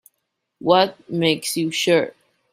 What makes you sure?